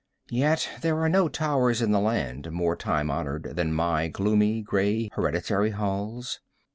Yet there are no towers in the land more time honored than my gloomy, gray, hereditary halls.